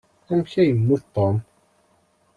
Amek ay yemmut Tom?